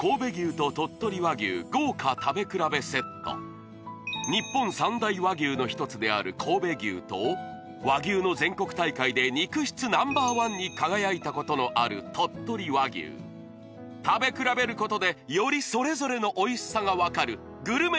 むしろ日本三大和牛の一つである神戸牛と和牛の全国大会で肉質Ｎｏ．１に輝いたことのある鳥取和牛食べ比べることでよりそれぞれのおいしさが分かるグルメ